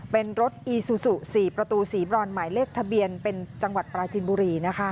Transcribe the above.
เป็นรถอีซูซู๔ประตูสีบรอนหมายเลขทะเบียนเป็นจังหวัดปราจินบุรี